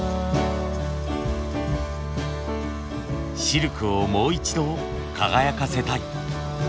シルクをもう一度輝かせたい。